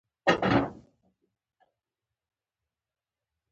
لا ساقی نوی راغلی، لا رندان نوی گرمیږی